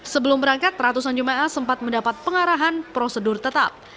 sebelum berangkat ratusan jemaah sempat mendapat pengarahan prosedur tetap